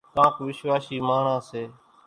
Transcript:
ڪانڪ وِشواشِي ماڻۿان سي۔